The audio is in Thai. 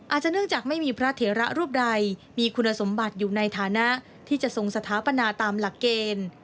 อาจจะเนื่องจากไม่มีพระเถระรูปใดมีคุณสมบัติอยู่ในฐานะที่จะทรงสถาปนาตามหลักเกณฑ์